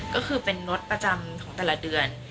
ก็คือเป็นรถประจำของแต่ละเดือน